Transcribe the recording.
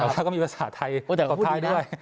แล้วก็มีภาษาไทยกลับท้ายด้วย